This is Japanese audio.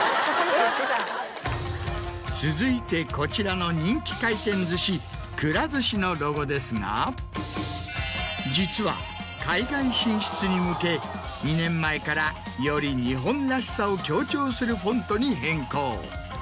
続いてこちらの人気回転寿司くら寿司のロゴですが実は海外進出に向け２年前からより日本らしさを強調するフォントに変更。